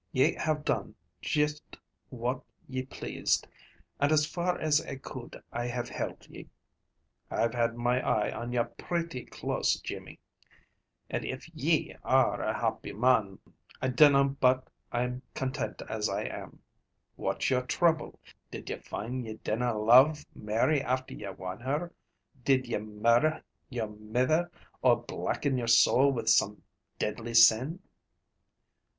Ye have done juist what ye pleased, and as far as I could, I have helped ye. I've had my eye on ye pretty close, Jimmy, and if YE are a happy mon, I dinna but I'm content as I am. What's your trouble? Did ye find ye dinna love Mary after ye won her? Did ye murder your mither or blacken your soul with some deadly sin?